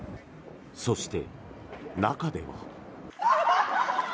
そして、中では。